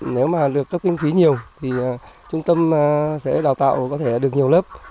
nếu mà được cấp kinh phí nhiều thì trung tâm sẽ đào tạo có thể được nhiều lớp